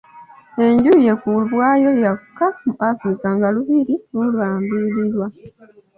Enju ye ku bwayo yokka mu Africa nayo lubiri lulambirira.